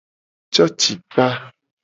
Cocikpa.